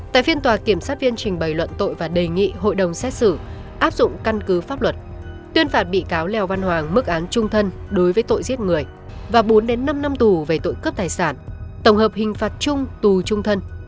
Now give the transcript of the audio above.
tại phiên tòa kiểm sát viên trình bày luận tội và đề nghị hội đồng xét xử áp dụng căn cứ pháp luật tuyên phạt bị cáo lèo văn hoàng mức án trung thân đối với tội giết người và bốn năm năm tù về tội cướp tài sản tổng hợp hình phạt chung tù trung thân